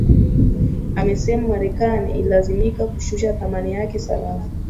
amesema marekani ililazimika kushusha thamani yake sarafu